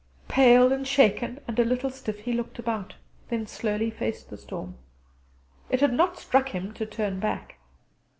Pale and shaken, and a little stiff, he looked about; then slowly faced the storm. It had not struck him to turn back.